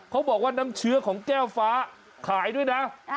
บอกว่าน้ำเชื้อของแก้วฟ้าขายด้วยนะ